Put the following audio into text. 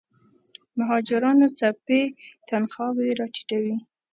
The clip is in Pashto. مهاجرانو څپې تنخواوې راټیټوي.